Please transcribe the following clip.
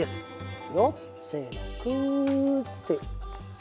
いくよせのくって。